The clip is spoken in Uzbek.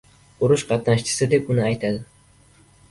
Urush qatnashchisi deb uni aytadi!